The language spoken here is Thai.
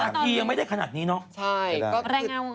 นาทียังไม่ได้ขนาดนี้เนาะ